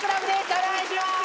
お願いします。